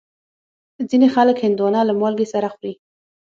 ځینې خلک هندوانه له مالګې سره خوري.